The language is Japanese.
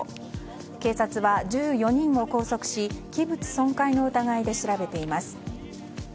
警察は１４人を拘束し器物損壊の疑いで調べています。